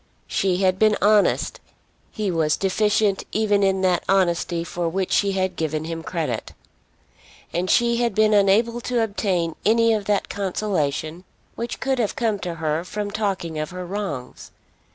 She had been honest; he was deficient even in that honesty for which she had given him credit. And she had been unable to obtain any of that consolation which could have come to her from talking of her wrongs.